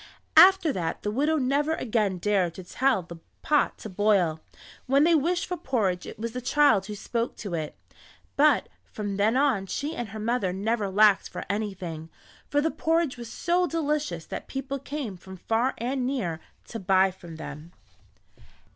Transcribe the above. After that the widow never again dared to tell the pot to boil. When they wished for porridge it was the child who spoke to it. But from then on she and her mother never lacked for anything, for the porridge was so delicious that people came from far and near to buy from them.